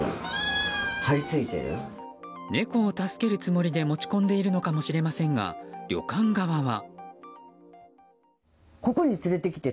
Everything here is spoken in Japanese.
猫を助けるつもりで持ち込んでいるのかもしれませんが、旅館側は。